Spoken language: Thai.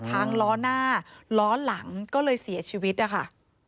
ล้อหน้าล้อหลังก็เลยเสียชีวิตนะคะ